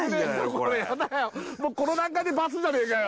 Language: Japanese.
これもうこの段階で罰じゃねえかよ